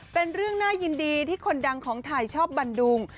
เป็นเรื่องน่ายินดีที่คนดังของไทยชอบบันดุง